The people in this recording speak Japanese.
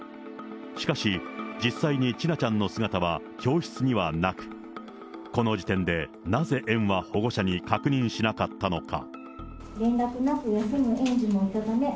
しかし、実際に千奈ちゃんの姿は教室にはなく、この時点でなぜ園は保護者に確認しなかったのか。